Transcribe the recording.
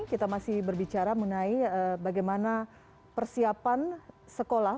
kita masih berbicara mengenai bagaimana persiapan sekolah